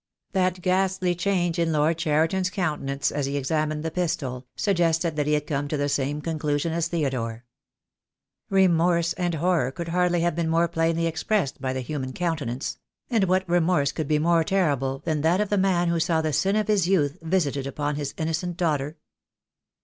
That ghastly change in Lord Cheriton' s countenance as he examined the pistol, suggested that he had come to the same conclusion as Theodore. Remorse and horror could hardly have been more plainly expressed by the human countenance: and THE DAY WILL COME. I 69 what remorse could be more terrible than that of the man who saw the sin of his youth visited upon his inno cent daughter?